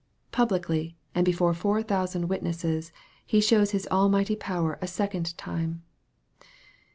Publicly, and before four thousand witnesses, He shows His almighty power a second time.